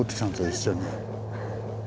一緒に。